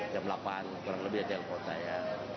jam delapan kurang lebih ya telepon saya